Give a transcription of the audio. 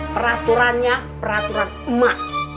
peraturannya peraturan emak